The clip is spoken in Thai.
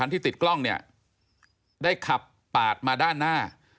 ที่ติดกล้องเนี่ยได้ขับปาดมาด้านหน้า